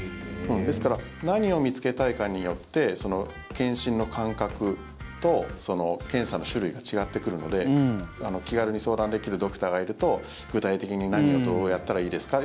ですから何を見つけたいかによって検診の間隔と検査の種類が違ってくるので気軽に相談できるドクターがいると具体的に何をどうやったらいいですか